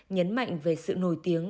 nhấn mạnh về sự nổi tiếng